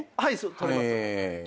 撮れます。